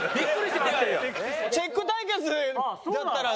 チェック対決だったら。